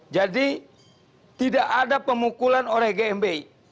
jadi tidak ada pemukulan oleh gmbh